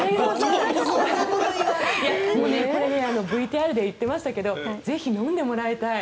これ、ＶＴＲで言っていましたけどぜひ飲んでもらいたい。